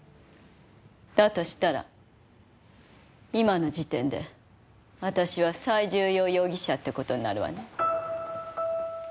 だとしたら今の時点で私は最重要容疑者って事になるわね。